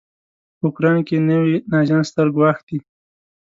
په اوکراین کې نوي نازیان ستر ګواښ دی.